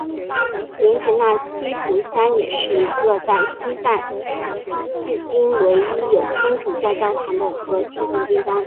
盐井纳西族乡也是一个在西藏迄今唯一有天主教教堂和信徒的地方。